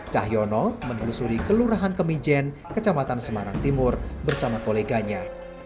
cahyono menelusuri kelurahan kemijen kecamatan semarang timur bersama koleganya